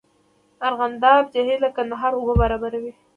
د ارغنداب جهیل د کندهار اوبه برابروي